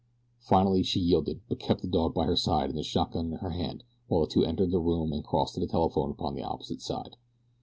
Finally she yielded, but kept the dog by her side and the shotgun in her hand while the two entered the room and crossed to the telephone upon the opposite side.